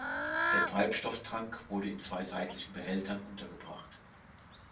Der Treibstofftank wurde in zwei seitlichen Behältern untergebracht.